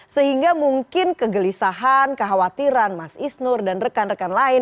sehingga mungkin kegelisahan kekhawatiran mas isnur dan rekan rekan lain